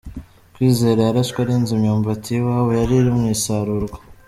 Kwizera yarashwe arinze imyumbati y’iwabo yari iri mu isarurwa.